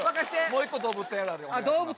もう１個動物園あるあるお願いします。